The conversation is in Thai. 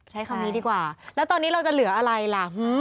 ใช้คำนี้ดีกว่าแล้วตอนนี้เราจะเหลืออะไรล่ะ